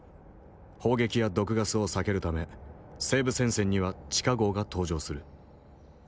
砲撃や毒ガスを避けるため西部戦線には地下壕が登場する。